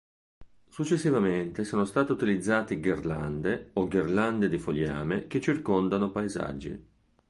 Successivamente sono state utilizzate ghirlande o ghirlande di fogliame che circondano paesaggi.